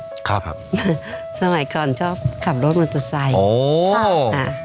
ตอนไหนก่อนชอบขับรถมอเตอร์ไซค์